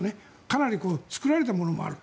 かなり作られたものもある。